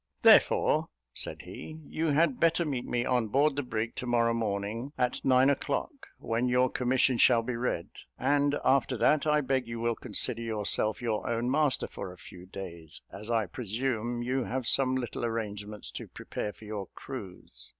"Therefore," said he, "you had better meet me on board the brig to morrow morning at nine o'clock, when your commission shall be read; and after that I beg you will consider yourself your own master for a few days, as I presume you have some little arrangements to prepare for your cruise.